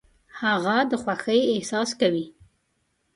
هغه د خوښۍ احساس کوي .